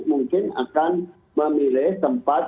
mungkin akan memilih tempat